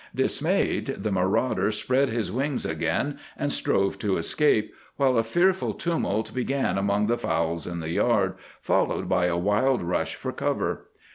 Dismayed, the marauder spread his wings again and strove to escape, while a fearful tumult began among the fowls in the yard, followed by a wild rush for cover.